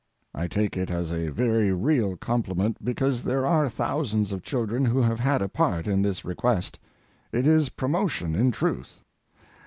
I take it as a very real compliment because there are thousands of children who have had a part in this request. It is promotion in truth.